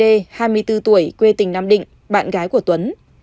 trần t d hai mươi bốn tuổi quê tỉnh nam định bạn gái của tuấn